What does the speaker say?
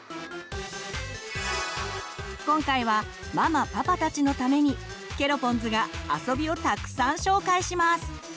今回はママパパたちのためにケロポンズが遊びをたくさん紹介します！